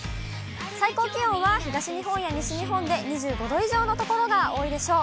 最高気温は東日本や西日本で２５度以上の所が多いでしょう。